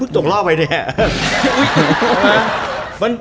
ตกรอบไหมเนี่ย